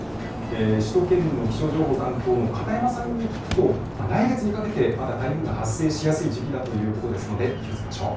首都圏の気象情報担当の片山さんに聞くと来月にかけてまだ台風が発生しやすい時期だということですので気をつけましょう。